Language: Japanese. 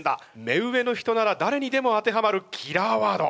目上の人ならだれにでも当てはまるキラーワード。